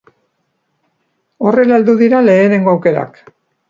Horrela heldu dira lehenengo aukerak.